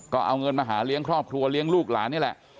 ก็เอาเงินมาหาเลี้ยงครอบครัวเลี้ยงลูกหลานนี่แหละ